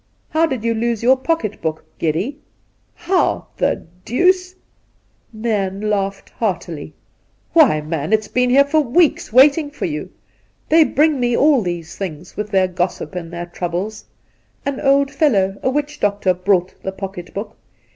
How did you lose your pocket book, Geddy ?'' How — the — deuce ' Nairn laughed heartily. ' Why, man, it has been here for weeks, waiting for you! They bring me all these things, with their gossip and their troubles. An old fellow, a witch doctor, brought the pocket book.